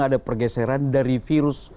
ada pergeseran dari virus